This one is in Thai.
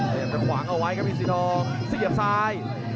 พยายามจะขวางเอาไว้ครับอินสีทองเสียบซ้าย